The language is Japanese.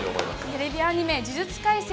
テレビアニメ「呪術廻戦」